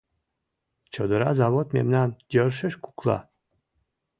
Чодыра завод мемнам йӧршеш кукла...